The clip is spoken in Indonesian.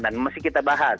dan masih kita bahas